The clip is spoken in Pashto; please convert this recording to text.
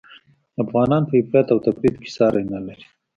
افغانان په افراط او تفریط کي ساری نلري